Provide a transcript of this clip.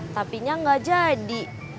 tapi gak jadi